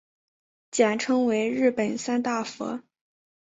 简称为日本三大佛。